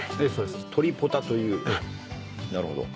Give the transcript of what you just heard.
鶏ポタというなるほど。